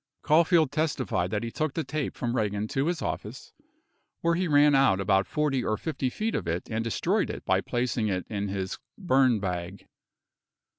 Caulfield testified that he took the tape from Eagan to his office, where he ran out about 40 or 50 feet of it and destroyed it by placing it in his "burn bag."